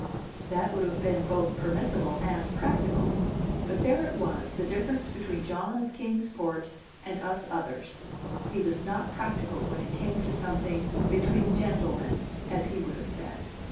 That would have been both permissible and practical; but there it was, the difference between John of Kings Port and us others; he was not practical when it came to something "between gentlemen," as he would have said.